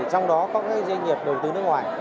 trong đó có các doanh nghiệp đầu tư nước ngoài